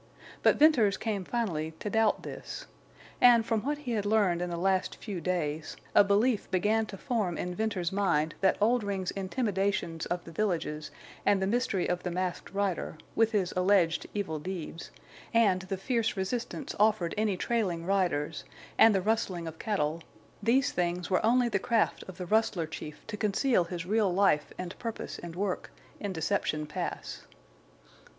But Venters came finally to doubt this. And, from what he had learned in the last few days, a belief began to form in Venters's mind that Oldring's intimidations of the villages and the mystery of the Masked Rider, with his alleged evil deeds, and the fierce resistance offered any trailing riders, and the rustling of cattle—these things were only the craft of the rustler chief to conceal his real life and purpose and work in Deception Pass.